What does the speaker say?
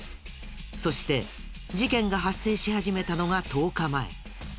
そして事件が発生し始めたのが１０日前。